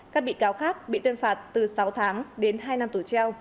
các bị cáo khác bị tuyên phạt từ sáu tháng đến hai năm tù treo